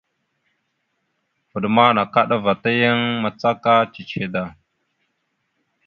Vvaɗ ma nakaɗava ta yan macaka ciche da.